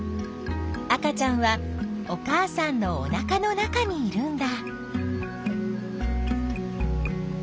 赤ちゃんはお母さんのおなかの中にいるんだ。